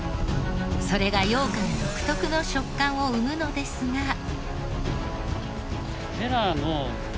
それがようかん独特の食感を生むのですが。